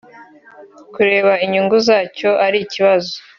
kureba inyungu za cyo ari ikibazo